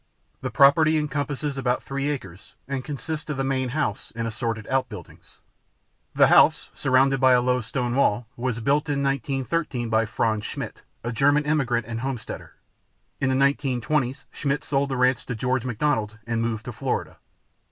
The property encompasses about three acres and consists of the main house and assorted outbuildings. The house, surrounded by a low stone wall, was built in 1913 by Franz Schmidt, a German immigrant and homesteader. In the 1920s Schmidt sold the ranch to George McDonald and moved to Florida.